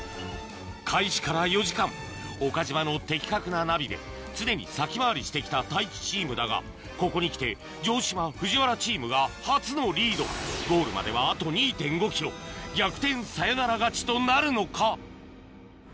開始から４時間岡島の的確なナビで常に先回りして来た太一チームだがここに来て城島・藤原チームが初のリードゴールまではあと２．５ｋｍ逆転サヨナラ勝ちとなるのか？